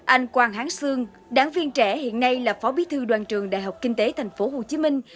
anh quang hán xương đảng viên trẻ hiện nay là phó bí thư đoàn trường đại học kinh tế thành phố hồ chí minh